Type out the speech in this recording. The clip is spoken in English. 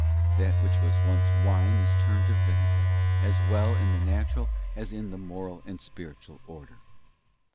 That which was once wine is turned into vinegar, as well in the natural as in the moral and spiritual order.